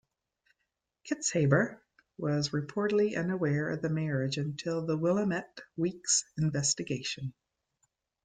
Kitzhaber was reportedly unaware of the marriage until the "Willamette Week"'s investigation.